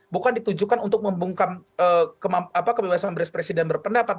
bukan ditujukan untuk membungkam kebebasan berespresi dan berpendapat